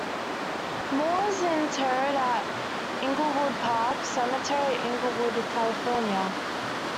Moore is interred at Inglewood Park Cemetery, Inglewood, California.